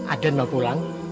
aden mau pulang